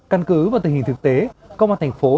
căn cứ vào tình hình thực tế công an thành phố